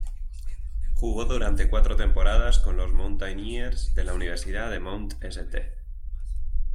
Jugó durante cuatro temporadas con los "Mountaineers" de la Universidad de Mount St.